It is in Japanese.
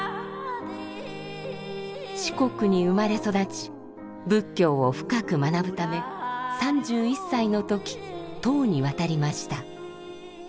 四国に生まれ育ち仏教を深く学ぶため３１歳の時唐に渡りました。